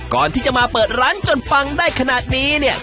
ก่อนที่จะมาเปิดร้านจนปังได้ขนาดนี้เนี่ย